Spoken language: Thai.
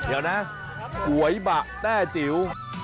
เดี๋ยวนะก๋วยบะแต้จิ๋ว